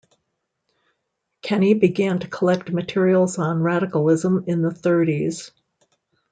Kenny began to collect materials on radicalism in the thirties.